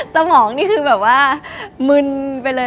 สมองนี่คือแบบว่ามึนไปเลย